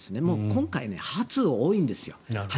今回、初が多いんですよ。